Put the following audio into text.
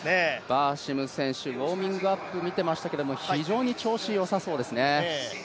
バーシム選手、ウォーミングアップ見てましたけど非常に調子、良さそうですね。